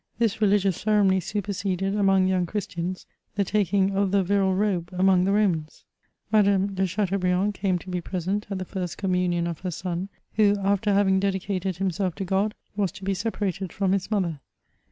This religious ceremony superseded, among young Christians, the taking of the viril robe among the Romans. Madame de Chateaubriand came to be present at the first communion of her son, who, after having dedicated himself to God, was to be separated ^m his mother.